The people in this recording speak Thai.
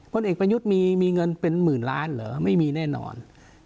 เอกประยุทธ์มีเงินเป็นหมื่นล้านเหรอไม่มีแน่นอน